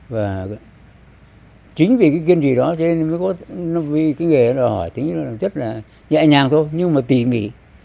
và chính vì cái kiên trì đó cho nên mới có cái nghề đó hỏi tính chất là nhẹ nhàng thôi nhưng mà tỉ mỉ